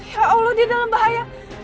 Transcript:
ya allah dia dalam bahaya